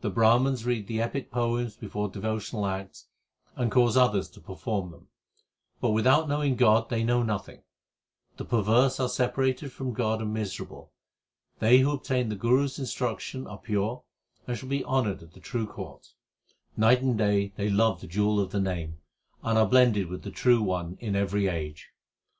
The Brahmans read the epic poems before devotional acts, and cause others to perform them ; But without knowing God they know nothing ; the perverse are separated from God and miserable. They who obtain the Guru s instruction are pure, and shall be honoured at the true court. Night and day they love the jewel of the Name, and are blended with the True One in every age.